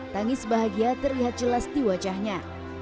tangis bahagia terlihat jelas di wajahnya